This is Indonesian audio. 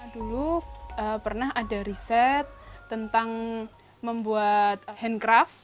dulu pernah ada riset tentang membuat handcraft